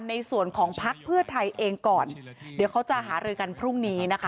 ในส่วนของพักเพื่อไทยเองก่อนเดี๋ยวเขาจะหารือกันพรุ่งนี้นะคะ